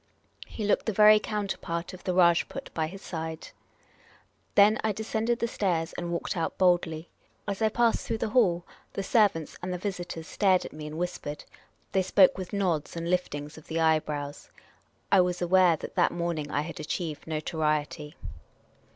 He looked the very counterpart of the Rajput by his side. Then I descended the stairs and walked out boldly. As I passed through the hall, the servants and the visitors stared at me and whispered. They spoke with nods and liftings of the eyebrows. I was aware that that morning I had achieved notoriety.